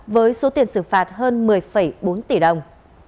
với số tiền xử phạt hơn một mươi bốn tỷ đồng